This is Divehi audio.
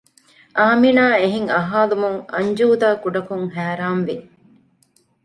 އާމިނާ އެހެން އަހާލުމުން އަންޖޫދާ ކުޑަކޮށް ހައިރާންވި